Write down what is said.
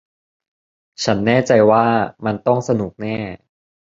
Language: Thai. ฉันแน่ใจว่ามันต้องสนุกแน่